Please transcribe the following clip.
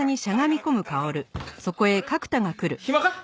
暇か？